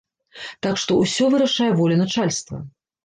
Так што ўсё вырашае воля начальства.